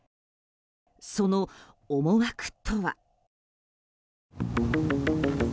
その思惑とは？